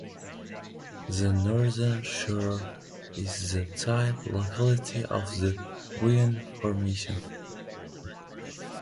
The northern shore is the type locality of the Buen Formation.